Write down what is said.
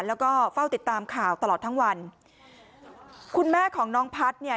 แล้วก็เฝ้าติดตามข่าวตลอดทั้งวันคุณแม่ของน้องพัฒน์เนี่ย